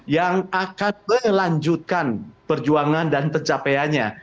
yang akan melanjutkan perjuangan dan pencapaiannya